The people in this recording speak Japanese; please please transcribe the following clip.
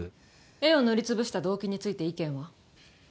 絵を塗り潰した動機について意見は？